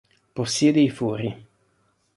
Possiede i fori.